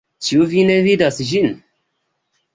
Ĉu vi ne vidas ĝin?